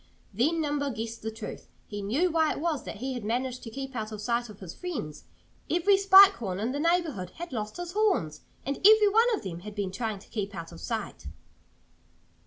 Then Nimble guessed the truth. He knew why it was that he had managed to keep out of sight of his friends. Every Spike Horn in the neighborhood had lost his horns! And every one of them had been trying to keep out of sight.